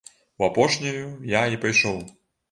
У апошняю я і пайшоў.